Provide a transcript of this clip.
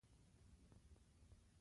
په افغانستان کې طایفه طایفه خلک اوسېږي.